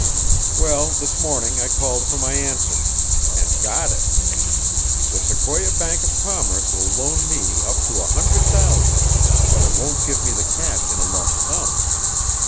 Well, this morning I called for my answer and got it. The Sequoia Bank of Commerce will loan me up to a hundred thousand, but it won't give me the cash in a lump sum.